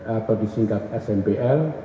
atau disingkat smpl